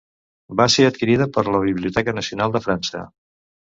Va ser adquirida per la Biblioteca Nacional de França.